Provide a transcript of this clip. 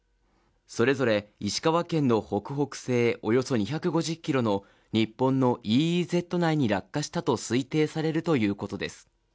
それぞれ、石川県の北北西およそ２５０キロの日本のＥＥＺ内に落下したと推定されるということです。